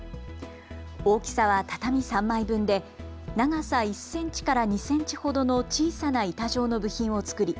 大きさは畳３枚分で長さ１センチから２センチほどの小さな板状の部品を作り